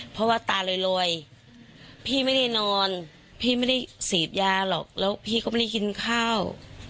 เพราะว่าตาลอยพี่ไม่ได้นอนพี่ไม่ได้เสพยาหรอกแล้วพี่ก็ไม่ได้กินข้าว